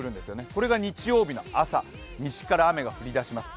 これが日曜日の朝、西から雨が降り出します。